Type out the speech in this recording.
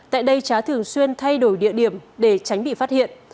tại đây trá thường xuyên thay đổi địa điểm để tránh bị phát hiện